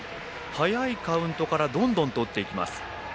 早いカウントからどんどんと打っていきます。